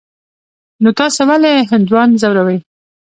نو تاسې ولي هندوان ځوروئ.